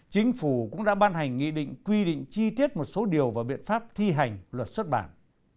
chính phủ cũng đã ban hành nghị định quy định chi tiết một số điều và biện pháp thi hành luật xuất bản